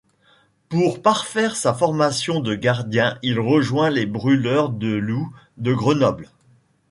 Pour parfaire sa formation de gardien, il rejoint les Brûleurs de Loups de Grenoble.